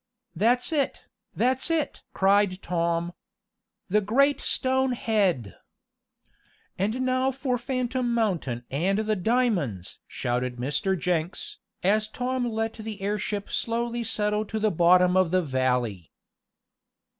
"That's it! That's it!" cried Tom. "The great stone head!" "And now for Phantom Mountain and the diamonds!" shouted Mr. Jenks, as Tom let the airship slowly settle to the bottom of the valley.